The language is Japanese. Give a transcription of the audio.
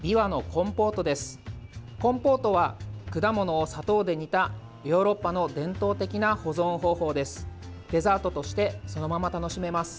コンポートは、果物を砂糖で煮たヨーロッパの伝統的な保存方法です。